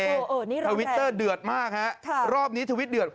โอ้นี่ร้อนแรงนะฮะทวิตเตอร์เดือดมากฮะรอบนี้ทวิตเดือด